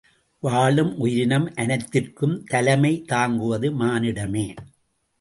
வாழும் உயிரினம் அனைத்திற்கும் தலைமை தாங்குவது மானிடமே!